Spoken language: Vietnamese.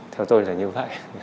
theo tôi là như vậy